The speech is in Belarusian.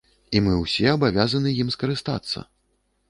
І мы ўсе абавязаны ім скарыстацца.